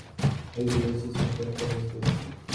Hay evidencias en contra de este hecho.